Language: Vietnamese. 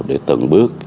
để từng bước